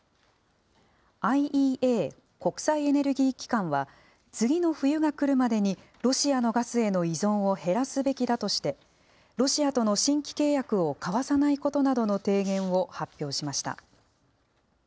ＩＥＡ・国際エネルギー機関は次の冬が来るまでにロシアのガスへの依存を減らすべきだとしてロシアとの新規契約を交わさないことなどの提言を発表しました。